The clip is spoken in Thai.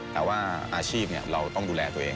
แต่ว่าอาชีพเราต้องดูแลตัวเอง